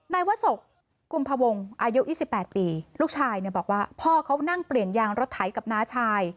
นายวศกกุมพวงศ์อายุ๒๘ปีลูกชายเนี่ยบอกว่าพ่อเขานั่งเปลี่ยนยางรถไถกับน้าชาย